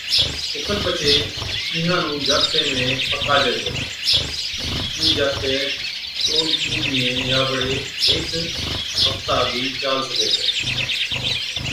او کن پڇي اِينهان نُون جاکتي ۾ پڪاجَي ڇَي، اِين جاکتَي ڏون تِين ڏِينهين يان بڙي هيڪ ففتا بِي چال سِگھَي ڇَي۔